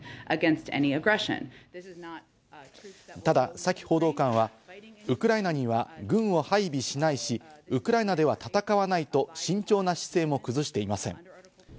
ただ、サキ報道官はウクライナには軍を配備しないし、ウクライナでは戦わないと慎重な姿勢も崩していません。